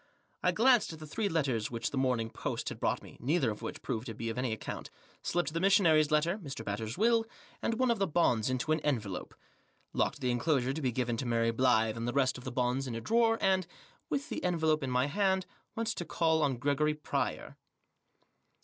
I glanced at the three letters which the morning post had brought me, neither of which proved to be of any account. Slipped the missionary's letter, Mr. Batters' will, and one of the bonds into an envelope. Digitized by THE AFFAIR OF * fiE FREAK. f§& Locked the enclosure to be given to Mary Blyth and the rest of the bonds in a drawer; and, with the envelope in my hand, went to call on Gregory Pryor.